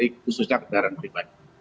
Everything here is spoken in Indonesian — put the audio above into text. khususnya kendaraan pribadi